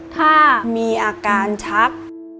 ถ้ามีอาการชัก